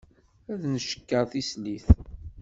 Ad ncekker tislit.